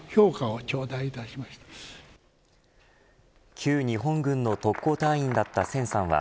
旧日本軍の特攻隊員だった千さん。